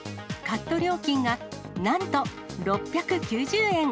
カット料金がなんと６９０円。